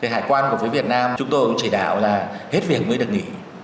hải quan của phía việt nam chúng tôi cũng chỉ đạo là hết việc mới được nghỉ